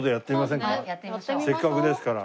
せっかくですから。